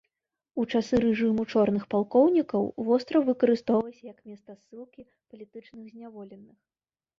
У часы рэжыму чорных палкоўнікаў востраў выкарыстоўваўся як месца ссылкі палітычных зняволеных.